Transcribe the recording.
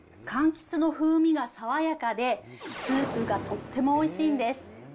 かんきつの風味が爽やかで、スープがとってもおいしいんです。